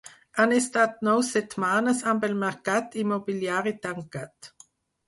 Han estat nou setmanes amb el mercat immobiliari tancat.